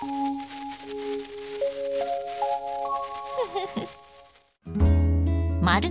フフフ。